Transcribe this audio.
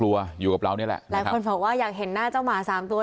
อยู่กับเรานี่แหละหลายคนบอกว่าอยากเห็นหน้าเจ้าหมาสามตัว